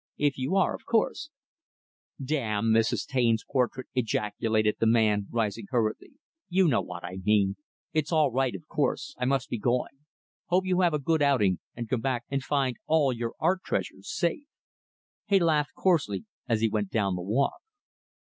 If you are, of course " "Damn Mrs. Taine's portrait!" ejaculated the man, rising hurriedly. "You know what I mean. It's all right, of course. I must be going. Hope you have a good outing and come back to find all your art treasures safe." He laughed coarsely, as he went down the walk.